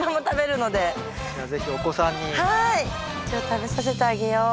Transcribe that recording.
食べさせてあげよう。